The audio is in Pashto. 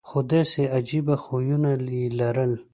خو داسې عجیبه خویونه یې لرل.